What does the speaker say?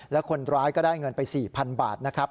แล้วคนร้ายก็ได้เงินไป๔๐๐๐บาทนะครับ